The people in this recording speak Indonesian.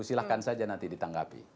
silahkan saja nanti ditanggapi